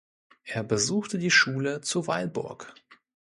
Er besuchte die Schule zu Weilburg.